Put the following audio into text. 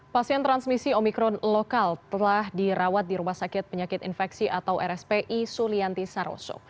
pasien transmisi omikron lokal telah dirawat di rumah sakit penyakit infeksi atau rspi sulianti saroso